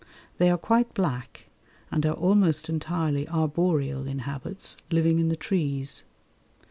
They are quite black, and are almost entirely arboreal in habits, living in the trees.